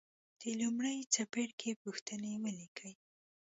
د لومړي څپرکي پوښتنې ولیکئ.